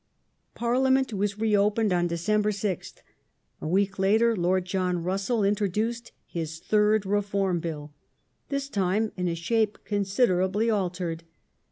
Parliament was reopened on December 6th. A week later Lord The third John Russell introduced his third Reform Bill, this time in a shape ^^^ considerably altered.